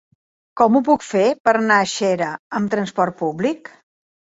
Com ho puc fer per anar a Xera amb transport públic?